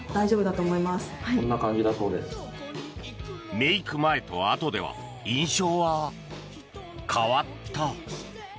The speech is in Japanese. メイク前とあとでは印象は変わった。